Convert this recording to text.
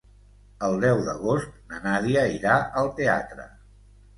El deu d'agost na Nàdia irà al teatre.